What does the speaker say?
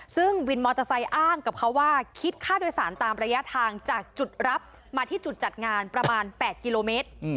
ซึ่งวินมอเตอร์ไซค์อ้างกับเขาว่าคิดค่าโดยสารตามระยะทางจากจุดรับมาที่จุดจัดงานประมาณ๘กิโลเมตร